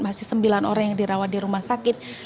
masih sembilan orang yang dirawat di rumah sakit